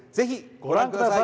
ご覧ください！